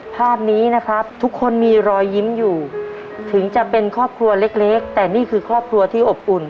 ภาพนี้นะครับทุกคนมีรอยยิ้มอยู่ถึงจะเป็นครอบครัวเล็กแต่นี่คือครอบครัวที่อบอุ่น